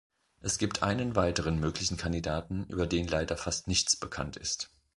Es gibt einen weiteren möglichen Kandidaten, über den leider fast nichts bekannt ist.